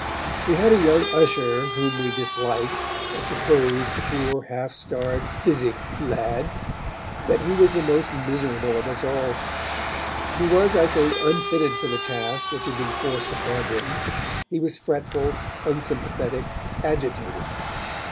We had a young usher whom we disliked. I suppose, poor half starved phthisic lad, that he was the most miserable of us all. He was, I think, unfitted for the task which had been forced upon him; he was fretful, unsympathetic, agitated.